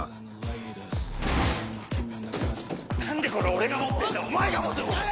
何でこれ俺が持ってんだお前が持てよこれ！